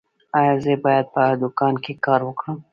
ایا زه باید په دوکان کې کار وکړم؟